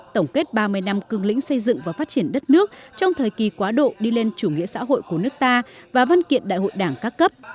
tổng kết ba mươi năm cương lĩnh xây dựng và phát triển đất nước trong thời kỳ quá độ đi lên chủ nghĩa xã hội của nước ta và văn kiện đại hội đảng các cấp